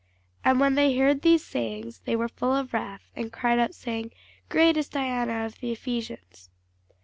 And when they heard these sayings, they were full of wrath, and cried out, saying, Great is Diana of the Ephesians.